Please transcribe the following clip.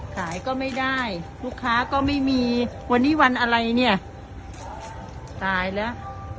ขายก็ไม่ได้ลูกค้าก็ไม่มีวันนี้วันอะไรเนี่ยตายแล้ว